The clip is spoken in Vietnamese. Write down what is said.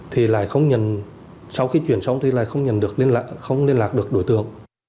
thì lại không nhận sau khi chuyển xong thì lại không nhận được nên là không liên lạc được đối tượng